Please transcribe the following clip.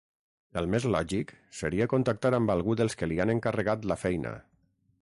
El més lògic seria contactar amb algú dels que li han encarregat la feina.